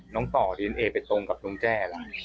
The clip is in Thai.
น้องต่อเรียนเอไปตรงกับน้องแจ่ล่ะ